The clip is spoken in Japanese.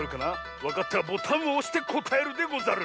わかったらボタンをおしてこたえるでござる。